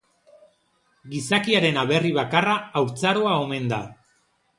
Gizakiaren aberri bakarra haurtzaroa omen da.